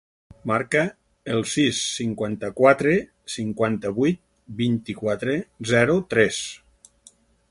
Marca el sis, cinquanta-quatre, cinquanta-vuit, vint-i-quatre, zero, tres.